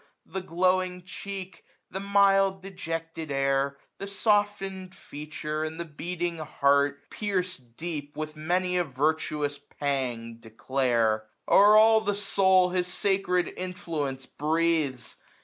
The glowing cheek, the mild dejected air, 1005 The softened feature, and the beating heart, Fierc'd deep with many a virtuous pang, declare. O'er all the soul his sacred influence breathes